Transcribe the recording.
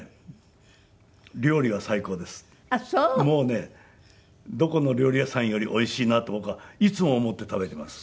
もうねどこの料理屋さんよりおいしいなと僕はいつも思って食べています。